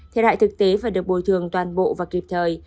thiệt hại thực tế phải được bồi thường toàn bộ và kịp thời